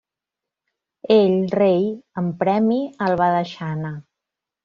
Ell rei, en premi, el va deixar anar.